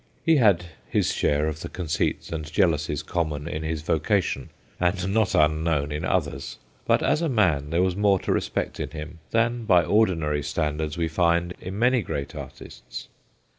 He had his share of the conceits and jealousies common in his vocation and not unknown in others but as a man there was more to respect in him than by ordinary standards we find in many great artists.